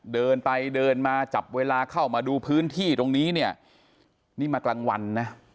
เดินไปเดินมาจับเวลาเข้ามาดูพื้นที่ตรงนี้เนี่ยนี่มากลางวันนะ